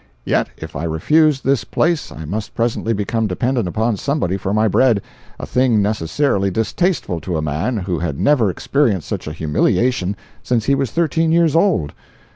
Yet if I refused this place I must presently become dependent upon somebody for my bread, a thing necessarily distasteful to a man who had never experienced such a humiliation since he was thirteen years old.